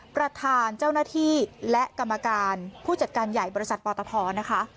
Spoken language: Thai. ประธานเจ้าหน้าที่และกรรมการผู้จัดการใหญ่บริษัทปตทนะคะ